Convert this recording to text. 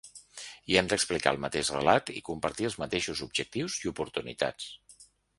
I hem d’explicar el mateix relat i compartir els mateixos objectius i oportunitats.